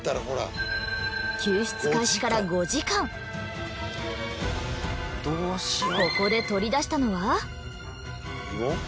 救出開始からここで取り出したのは。